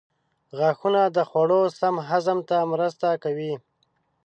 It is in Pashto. غاښونه د خوړو سم هضم ته مرسته کوي.